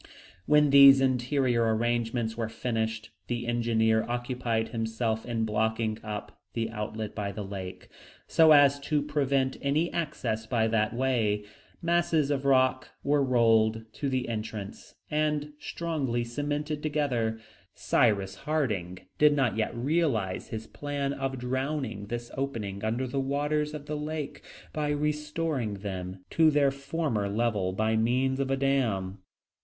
When these interior arrangements were finished, the engineer occupied himself in blocking up the outlet by the lake, so as to prevent any access by that way. Masses of rock were rolled to the entrance and strongly cemented together. Cyrus Harding did not yet realize his plan of drowning this opening under the waters of the lake, by restoring them to their former level by means of a dam.